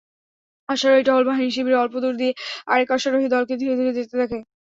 অশ্বারোহী টহল বাহিনী শিবিরের অল্পদূর দিয়ে আরেক অশ্বারোহী দলকে ধীরে ধীরে যেতে দেখে।